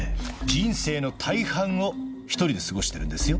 人生の大半を一人で過ごしているんですよ